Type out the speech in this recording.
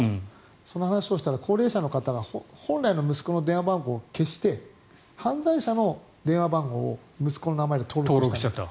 その話をしたら高齢者の方は本来の息子の電話番号を消して犯罪者の電話番号を息子の名前で登録しちゃった。